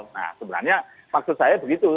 nah sebenarnya maksud saya begitu